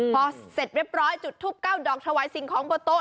พอเสร็จเรียบร้อยจุดทูป๙ดอกถวายสิ่งของบนโต๊ะ